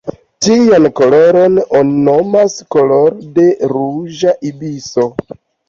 Tian koloron oni nomas koloro de ruĝa ibiso.